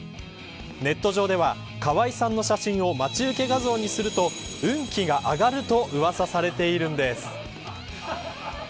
ネット上では川合さんの写真を待ち受け画像にすると運気が上がるとうわさされているんです。